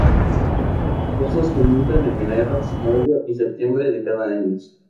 Los cursos comienzan en enero, mayo y septiembre de cada año.